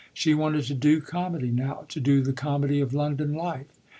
She wanted to do comedy now to do the comedy of London life.